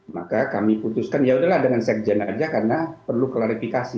maka kami putuskan yaudahlah dengan sekjen aja karena perlu klarifikasi